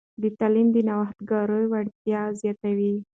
تعلیم د نوښتګرو وړتیاوې زیاتوي.